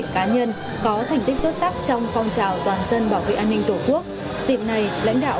cá nhân có thành tích xuất sắc trong phong trào toàn dân bảo vệ an ninh tổ quốc dịp này lãnh đạo